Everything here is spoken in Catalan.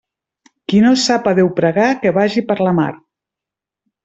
Qui no sap a Déu pregar que vagi per la mar.